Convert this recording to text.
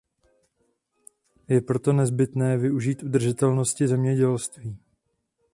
Je proto nezbytné využít udržitelnosti zemědělství.